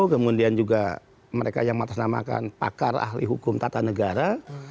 kemudian juga mereka yang mengatasnamakan pakar ahli hukum tata negara